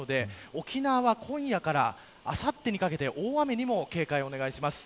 沖縄は今夜からあさってにかけて大雨にも警戒をお願いします。